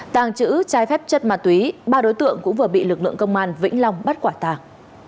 tàng trữ trái phép chất ma túy ba đối tượng cũng vừa bị lực lượng công an vĩnh long bắt quả tàng